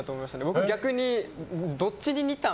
俺は逆にどっちに似たん？